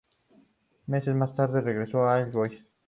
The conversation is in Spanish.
Meses más tarde regresó a All Boys.